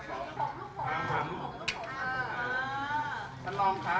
ขอขอบคุณหน่อยนะคะ